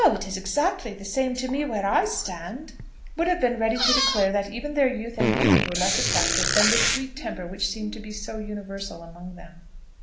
it is exactly the same to me where I stand," would have been ready to declare that even their youth and beauty were less attractive than the sweet temper which seemed to be so universal among them.